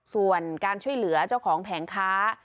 ส่วนการช่วยเหลือเจ้าของแผงค้า